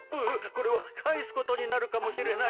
これは返すことになるかもしれないよ。